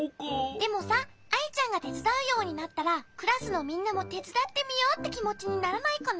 でもさアイちゃんがてつだうようになったらクラスのみんなもてつだってみようってきもちにならないかな？